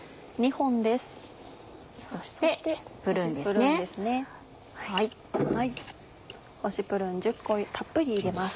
干しプルーン１０個たっぷり入れます。